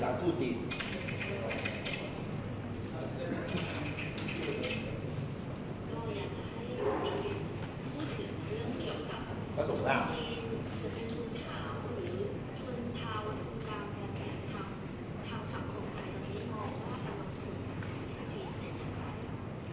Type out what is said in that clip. แล้วส่วนต่างจะเป็นทุนเท้าหรือทุนเท้าทุนต่างกันทางสังคมไทยตัวที่มองว่าจังหวังทุนจังหวังจีนเป็นยังไง